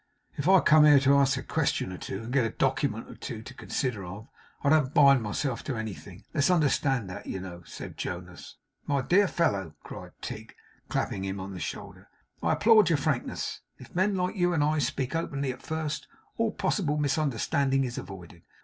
'If I come here to ask a question or two, and get a document or two to consider of, I don't bind myself to anything. Let's understand that, you know,' said Jonas. 'My dear fellow!' cried Tigg, clapping him on the shoulder, 'I applaud your frankness. If men like you and I speak openly at first, all possible misunderstanding is avoided.